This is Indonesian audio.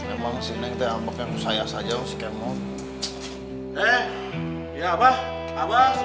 emang si neng tuh kayak abah yang usaya saja sama skemot